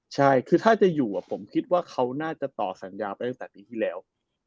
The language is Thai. ใช่คือถ้าจะอยู่ผมคิดว่าเขาน่าจะต่อสัญญาไปตั้งแต่ปีที่แล้ว